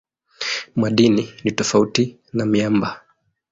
Madini ni tofauti na miamba.